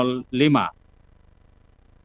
enam delapan empat lima nol delapan